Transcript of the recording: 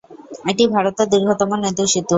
এটি ভারতের দীর্ঘতম নদী সেতু।